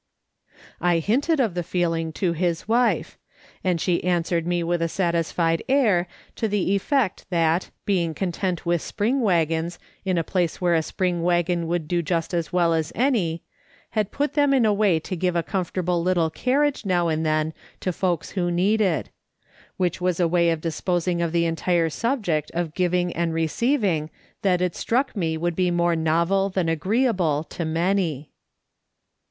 LUMPS OF CLAY. 22I I hinted something of the feeling to his wife, and she answered me with a satisfied air to the effect that, being content with spring waggons in a place where a spring waggon would do just as well as any, had put them in a way to give a comfortable little carriage now and then to folks who needed. Which was a way of disposing of the entire subject of giving and receiving that it struck me would be more novel than agreeable to many.